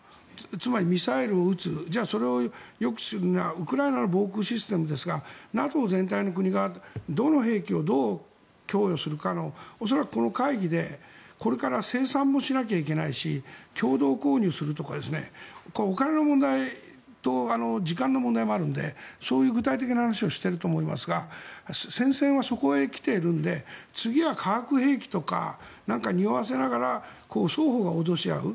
つまり、ミサイルを撃つそれを抑止するにはウクライナの防空システムですがＮＡＴＯ全体の国がどの兵器を、どう供与するかの恐らくこの会議でこれから生産もしなきゃいけないし共同購入するとかお金の問題と時間の問題もあるのでそういう具体的な話をしていると思いますが戦線はそこへ来ているので次は化学兵器とかなんかにおわせながら双方が脅し合う。